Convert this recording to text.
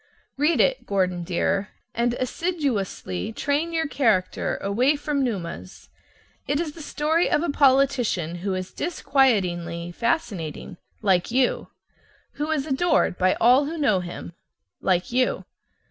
Read it, Gordon dear, and assiduously train your character away from Numa's. It's the story of a politician who is disquietingly fascinating (like you). Who is adored by all who know him (like you).